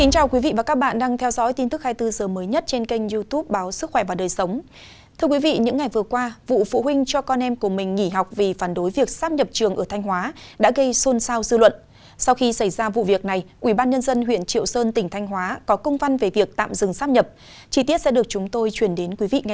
chào mừng quý vị đến với bộ phim hãy nhớ like share và đăng ký kênh của chúng mình nhé